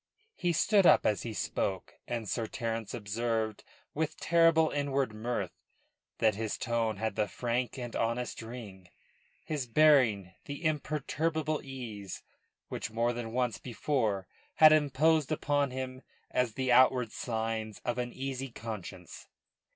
He stood up as he spoke, and Sir Terence observed with terrible inward mirth that his tone had the frank and honest ring, his bearing the imperturbable ease which more than once before had imposed upon him as the outward signs of an easy conscience.